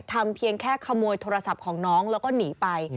เพียงแค่ขโมยโทรศัพท์ของน้องแล้วก็หนีไป